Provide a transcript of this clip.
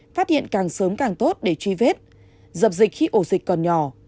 phát hiện càng sớm càng tốt để truy vết dập dịch khi ổ dịch còn nhỏ